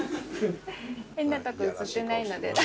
変なとこ写ってないので。